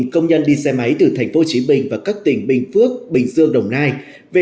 một công nhân đi xe máy từ thành phố chí bình và các tỉnh bình phước bình dương đồng nai về